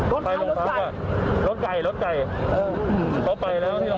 โอ้ยได้ยิน